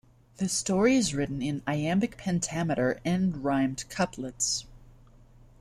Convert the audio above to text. The story is written in iambic pentameter end-rhymed couplets.